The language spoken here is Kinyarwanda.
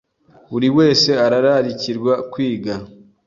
Buri Wese Arararikirwa Kwiga